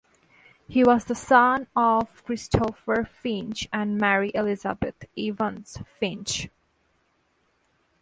He was the son of Christopher Finch and Mary Elizabeth (Evans) Finch.